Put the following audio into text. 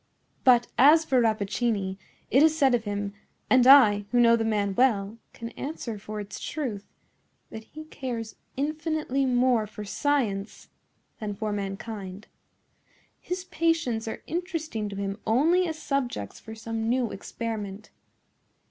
"But as for Rappaccini, it is said of him—and I, who know the man well, can answer for its truth—that he cares infinitely more for science than for mankind. His patients are interesting to him only as subjects for some new experiment.